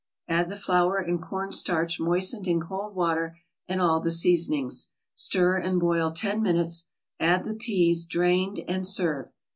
Add the flour and cornstarch moistened in cold water, and all the seasonings. Stir and boil ten minutes, add the peas, drained, and serve.